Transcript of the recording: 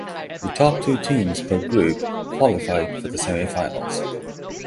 The top two teams per group qualified for the semifinals.